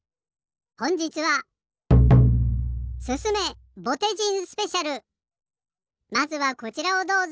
ほんじつはまずはこちらをどうぞ。